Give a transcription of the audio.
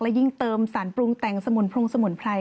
และยิ่งเติมสารปรุงแต่งสมนตร์พรงสมนตร์ไพร